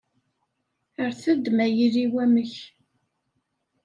Rret-d ma yili wamek.